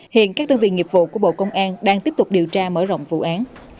hiện các tư viên nghiệp vụ của bộ công an đang tiếp tục điều tra mở rộng vụ án